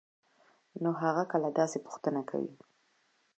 نو هغه کله داسې پوښتنه کوي؟؟